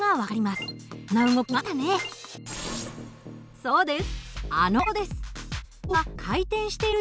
そうです。